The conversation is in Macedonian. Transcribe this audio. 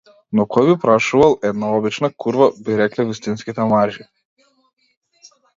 Но кој би прашувал една обична курва, би рекле вистинските мажи.